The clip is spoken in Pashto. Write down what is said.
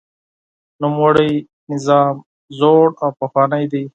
نوموړی سیستم زوړ او پخوانی دی.